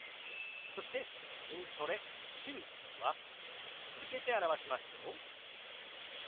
そして「筋トレ趣味」は続けて表しますよ。